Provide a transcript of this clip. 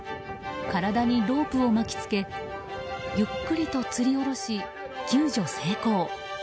体にロープを巻き付けゆっくりとつり降ろし救助成功。